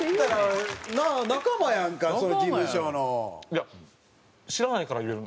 いや。